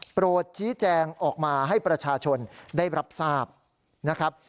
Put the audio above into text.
โปรดชี้แจงออกมาให้ประชาชนได้รับทราบนะครับ